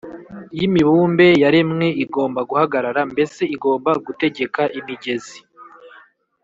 y’imibumbe yaremwe igomba guhagarara? Mbese igomba gutegeka imigezi